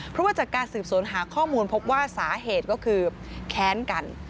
เพราะว่าจากการสืบสวนหาข้อมูลพบว่าสาเหตุก็คือแค้นกัน